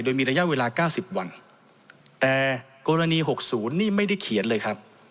โดยมีระยะเวลา๙๐วันแต่กรณี๖๐นี่ไม่ได้เขียนเลยครับ